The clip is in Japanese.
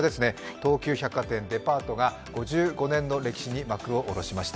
東急百貨店本店が５５年の歴史に幕を下ろしました。